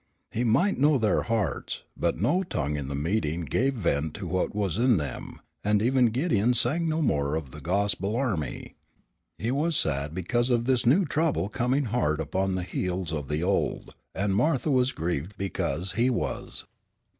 He might know their hearts, but no tongue in meeting gave vent to what was in them, and even Gideon sang no more of the gospel army. He was sad because of this new trouble coming hard upon the heels of the old, and Martha was grieved because he was.